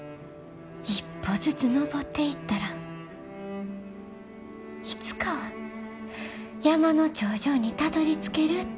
一歩ずつ登っていったらいつかは山の頂上にたどりつけるって。